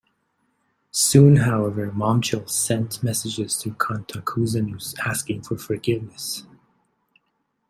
Soon, however, Momchil sent messages to Kantakouzenos asking for forgiveness.